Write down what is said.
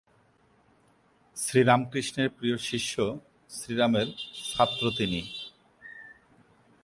শ্রীরামকৃষ্ণের প্রিয় শিষ্য শ্রীম-র ছাত্র তিনি।